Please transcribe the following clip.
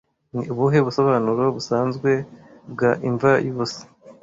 Ni ubuhe busobanuro busanzwe bwa Imva Yubusa